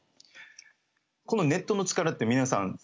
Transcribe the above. このネットの力って皆さん